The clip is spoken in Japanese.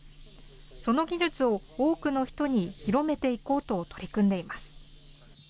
その技術を多くの人に広めていこうと取り組んでいます。